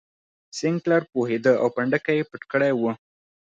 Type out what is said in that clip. سینکلر پوهېده او پنډکی یې پټ کړی و.